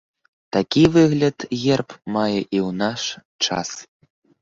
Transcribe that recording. Такі выгляд герб мае і ў наш час.